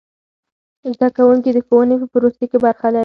زده کوونکي د ښوونې په پروسې کې برخه لري.